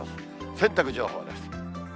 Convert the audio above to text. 洗濯情報です。